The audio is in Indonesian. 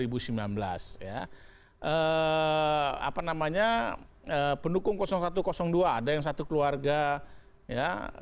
namanya pendukung satu dua ada yang satu keluarga ya pasca pemilu dua ribu sembilan belas ya apa namanya pendukung satu dua ada yang satu keluarga ya pasca pemilu dua ribu sembilan belas ya apa namanya pendukung satu dua ada yang satu keluarga ya